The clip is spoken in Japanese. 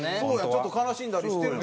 ちょっと悲しんだりしてるで？